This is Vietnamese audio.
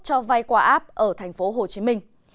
cho vai quả áp ở thành phố hồ chí minh